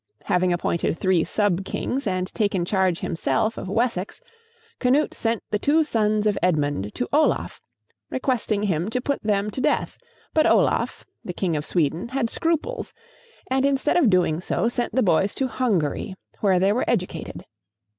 Having appointed three sub kings, and taken charge himself of Wessex, Canute sent the two sons of Edmund to Olaf, requesting him to put them to death; but Olaf, the king of Sweden, had scruples, and instead of doing so sent the boys to Hungary, where they were educated.